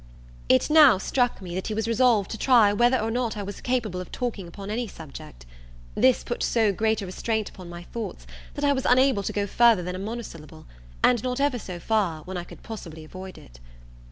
It now struck me that he was resolved to try whether or not I was capable of talking upon any subject. This put so great a restraint upon my thoughts, that I was unable to go further than a monosyllable, and not ever so far, when I could possibly avoid it.